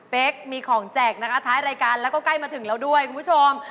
มีของแจกนะคะท้ายรายการแล้วก็ใกล้มาถึงแล้วด้วยคุณผู้ชม